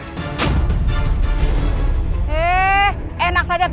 jangan lupa beri komentar di kolom komentar